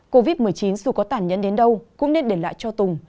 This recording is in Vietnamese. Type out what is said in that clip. covid một mươi chín dù có tản nhẫn đến đâu cũng nên để lại cho tùng